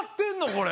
これ。